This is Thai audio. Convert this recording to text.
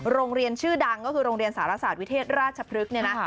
โรงเรียนชื่อดังก็คือโรงเรียนสารศาสตร์วิเทศราชพฤกษ์เนี่ยนะ